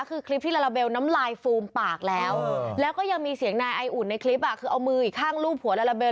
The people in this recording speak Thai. คือคลิปที่ลาลาเบลน้ำลายฟูมปากแล้วแล้วก็ยังมีเสียงนายไออุ่นในคลิปคือเอามืออีกข้างรูปหัวลาลาเบล